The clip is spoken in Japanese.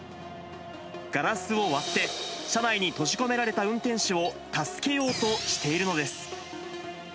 ガラスを割って、車内に閉じ込められた運転手を助けようとしているのです。